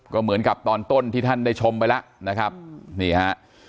ก็เหมือนกับตอนต้นที่ท่านได้ชมไปแล้วนะครับนี่ฮะ